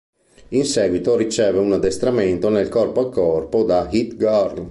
In seguito riceve un addestramento nel corpo a corpo da Hit-Girl.